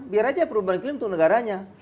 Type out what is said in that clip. biar aja perubahan iklim untuk negaranya